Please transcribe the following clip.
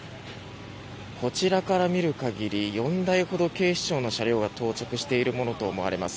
こちらから見る限り４台ほどの警視庁の車両が到着していると思われます。